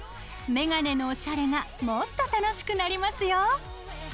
メガネのおしゃれがもっと楽しくなりますよ。